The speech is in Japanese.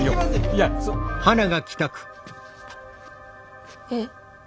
いや。えっ？